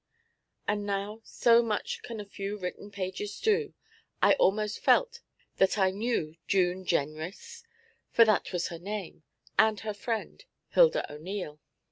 And now, so much can a few written pages do, I almost felt that I knew June Jenrys, for that was her name, and her friend Hilda O'Neil.